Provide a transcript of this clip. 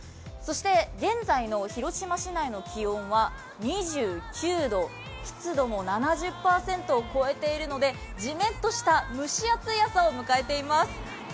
現在の広島市内の気温は２９度、湿度も７０％を超えているのでじめっとした蒸し暑い朝を迎えています。